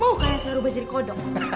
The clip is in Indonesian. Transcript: mau kalian saya ubah jadi kodok